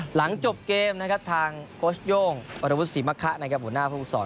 หลังจบเกมทางโครชย่งอรบุษฎีมะคะหัวหน้าภูมิสอน